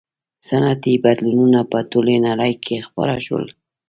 • صنعتي بدلونونه په ټولې نړۍ کې خپاره شول.